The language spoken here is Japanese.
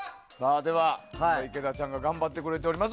では、池田ちゃんが頑張ってくれております